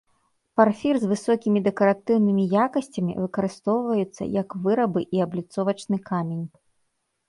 Парфір з высокімі дэкаратыўнымі якасцямі выкарыстоўваюцца як вырабы і абліцовачны камень.